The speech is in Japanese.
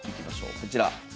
こちら。